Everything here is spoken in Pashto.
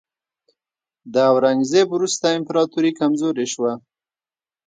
د اورنګزیب وروسته امپراتوري کمزورې شوه.